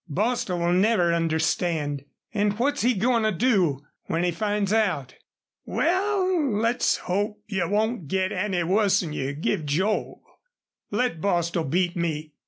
Bostil will never understand. An' what's he goin' to do when he finds out?" "Wal, let's hope you won't git any wuss'n you give Joel." "Let Bostil beat me!"